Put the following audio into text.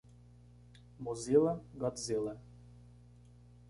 Mozilla, Godzilla.